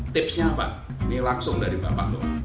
tipsnya apa ini langsung dari bapak